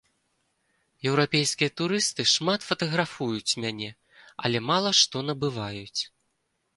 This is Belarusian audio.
Еўрапейскія турысты шмат фатаграфуюць мяне, але мала што набываюць.